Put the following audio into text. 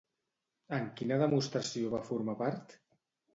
En quina demostració va formar part?